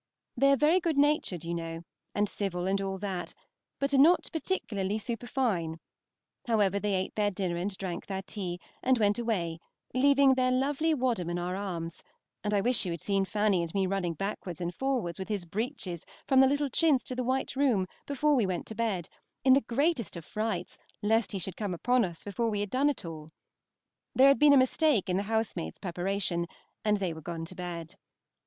They are very good natured, you know, and civil, and all that, but are not particularly superfine; however, they ate their dinner and drank their tea, and went away, leaving their lovely Wadham in our arms, and I wish you had seen Fanny and me running backwards and forwards with his breeches from the little chintz to the white room before we went to bed, in the greatest of frights lest he should come upon us before we had done it all. There had been a mistake in the housemaid's preparation, and they were gone to bed.